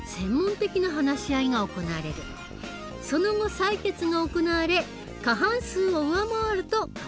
その後採決が行われ過半数を上回ると可決される。